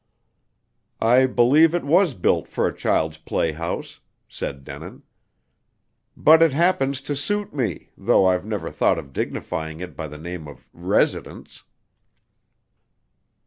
"I believe it was built for a child's playhouse," said Denin. "But it happens to suit me, though I've never thought of dignifying it by the name of 'residence.'"